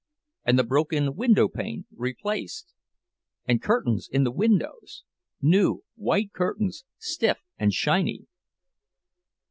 And the broken windowpane replaced! And curtains in the windows! New, white curtains, stiff and shiny!